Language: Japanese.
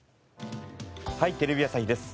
『はい！テレビ朝日です』